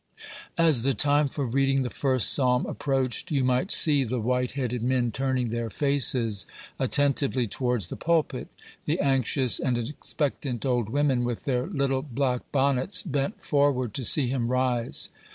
As the time for reading the first psalm approached, you might see the white headed men turning their faces attentively towards the pulpit; the anxious and expectant old women, with their little black bonnets, bent forward to see him rise.